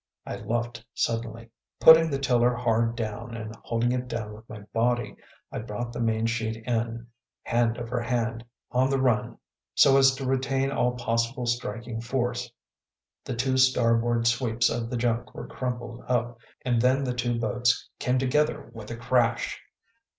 I luffed suddenly. Putting the tiller hard down, and holding it down with my body, I brought the main sheet in, hand over hand, on the run, so as to retain all possible striking force. The two starboard sweeps of the junk were crumpled up, and then the two boats came together with a crash.